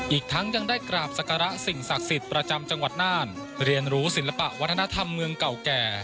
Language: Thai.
อีกทั้งยังได้กราบศักระสิ่งศักดิ์สิทธิ์ประจำจังหวัดน่านเรียนรู้ศิลปะวัฒนธรรมเมืองเก่าแก่